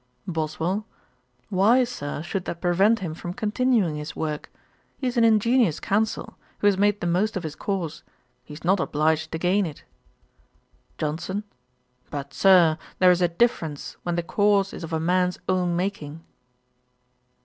BOSWELL. 'Why, Sir, should that prevent him from continuing his work? He is an ingenious Counsel, who has made the most of his cause: he is not obliged to gain it.' JOHNSON. 'But, Sir, there is a difference when the cause is of a man's own making.'